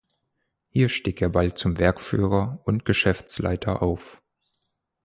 Hier stieg er bald zum Werkführer und Geschäftsleiter auf.